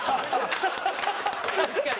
確かに。